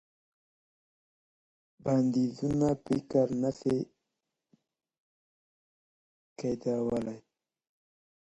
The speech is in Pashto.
بنديزونه فکر نه سي قيدولای.